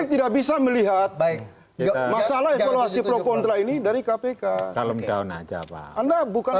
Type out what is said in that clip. tidak bisa melihat baik masalah kalau si pro kontra ini dari kpk calon aja pak anda bukan